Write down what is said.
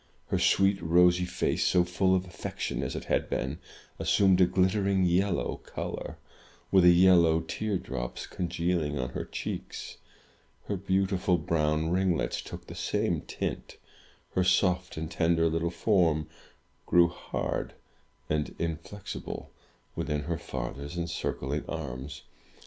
Her sweet, rosy face, so full of affection as it had been, assumed a gUttering yellow color, with yellow tear drops congealing on her cheeks. Her beautiful brown ringlets took the same tint. Her soft and tender little form grew hard and inflexible within her father's encircling arms.